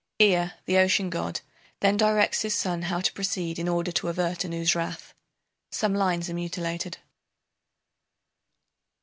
[Ea, the ocean god, then directs his son how to proceed in order to avert Anu's wrath. Some lines are mutilated.